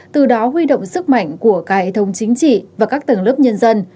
từ đó huy động sức mạnh của cả hệ thống chính trị và các tầng lớp nhân dân